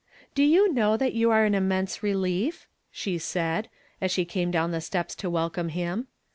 " Do you know that you are an immense re lief?" she said, as she came down the steps to welcome him.